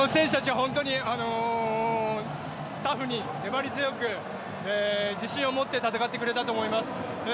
本当にタフに粘り強く自信を持って戦ってくれたと思います。